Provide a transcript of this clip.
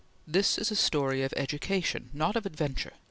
this is a story of education, not of adventure!